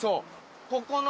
ここの。